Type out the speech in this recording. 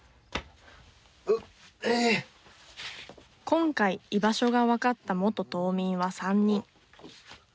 今回居場所がわかった元島民は３人。